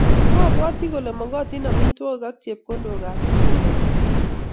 Mobwoti kole mogotin amitwogik ak chepkondokab sukul eng gaa